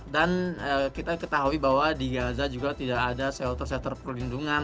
dan kita ketahui bahwa di gaza juga tidak ada shelter shelter perlindungan